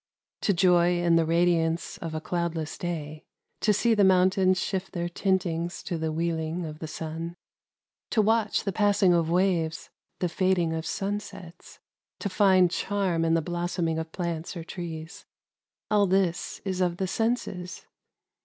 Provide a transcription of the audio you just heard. To joy in the radiance of a cloudless day, — to see the mountains shift their tintings to the wheeling of the sun, — to watch the passing of waves, the fading of sunsets, — to find charm in the blossoming of plants or trees ; all this is of the senses.